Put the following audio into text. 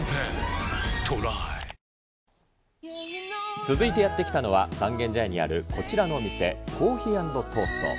続いてやって来たのは、三軒茶屋にあるこちらのお店、コーヒー＆トースト。